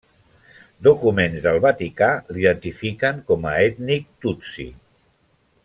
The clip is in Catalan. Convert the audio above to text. Documents del Vaticà l'identifiquen com a ètnic tutsi.